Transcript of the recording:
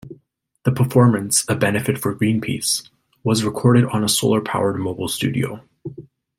The performance, a benefit for Greenpeace, was recorded on a solar-powered mobile studio.